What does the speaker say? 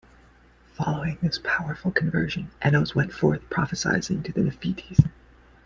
Following this powerful conversion, Enos went forth prophesying to the Nephites.